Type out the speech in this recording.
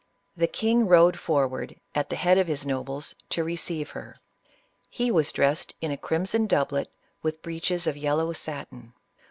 The king rode forward, at the head of his nobles, to receive her. He was dressed in a crimson doublet, with breeches of yellow satin.